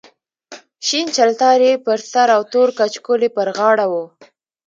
شین چلتار یې پر سر او تور کچکول یې پر غاړه و.